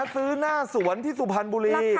ซื้อหน้าสวนที่สุพรรณบุรี